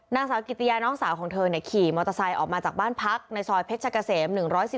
นางสาวกิติยาน้องสาวของเธอขี่มอเตอร์ไซค์ออกมาจากบ้านพักในซอยเพชรกะเสม๑๑๒